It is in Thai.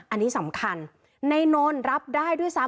อันนี้สำคัญในนนท์รับได้ด้วยซ้ำ